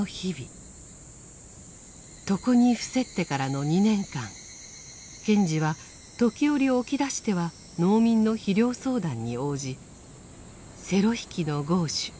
床に伏せってからの２年間賢治は時折起き出しては農民の肥料相談に応じ「セロ弾きのゴーシュ」